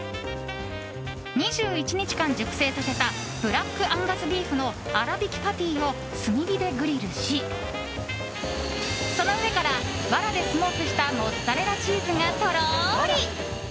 ２１日間、熟成させたブラックアンガスビーフの粗びきパティを炭火でグリルしその上からわらでスモークしたモッツァレラチーズがとろり。